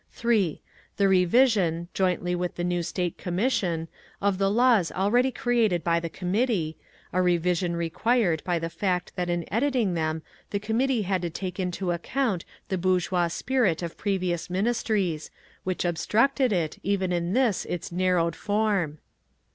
3. The revision, jointly with the new State Commission, of the laws already created by the Committee, a revision required by the fact that in editing them the Committee had to take into account the bourgeois spirit of previous Ministries, which obstructed it even in this its narrowed form.